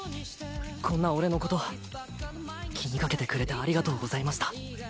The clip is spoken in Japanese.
こんな俺のこと気にかけてくれてありがとうございました。